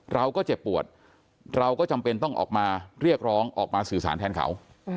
เราก็เจ็บปวดเราก็จำเป็นต้องออกมาเรียกร้องออกมาสื่อสารแทนเขา